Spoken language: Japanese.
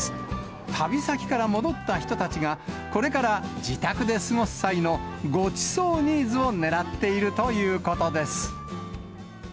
旅先から戻った人たちが、これから自宅で過ごす際のごちそうニーズを狙っているということです。